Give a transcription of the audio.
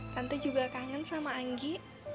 tante juga kangen sama anggi